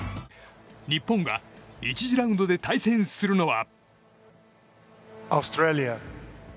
日本が１次ラウンドで対戦するのは。